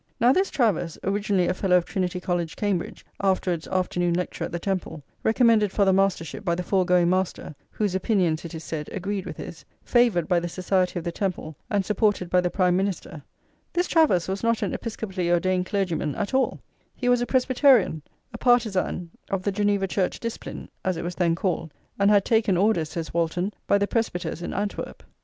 Now, this Travers, originally a Fellow of Trinity College, Cambridge, afterwards afternoon lecturer at the Temple, recommended for the Mastership by the foregoing Master, whose opinions, it is said, agreed with his, favoured by the society of the Temple, and supported by the Prime Minister, this Travers was not an Episcopally ordained clergyman at all; he was a Presbyterian, [xxxix] a partisan of the Geneva church discipline, as it was then called, and "had taken orders," says Walton, "by the Presbyters in Antwerp."